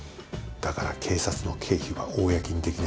だから警察の経費は公にできないんだ。